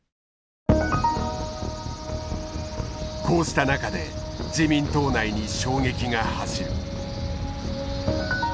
こうした中で自民党内に衝撃が走る。